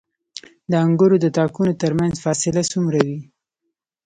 د انګورو د تاکونو ترمنځ فاصله څومره وي؟